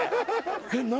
えっ何？